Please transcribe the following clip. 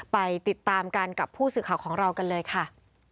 ไปติดตามกันกับผู้สื่อข่าวของเรากันเลยค่ะ